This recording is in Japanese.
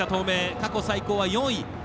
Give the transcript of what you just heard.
過去最高は４位。